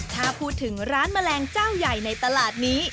ถ้าพูดถึงร้านแมลงเจ้าใหญ่ในตลาดนี้